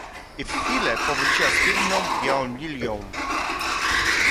"I w chwilę powróciła z piękną, białą lilią."